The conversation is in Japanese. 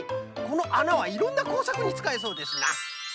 このあなはいろんなこうさくにつかえそうですな。